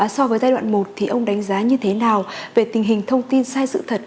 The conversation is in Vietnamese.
so với giai đoạn một thì ông đánh giá như thế nào về tình hình thông tin sai sự thật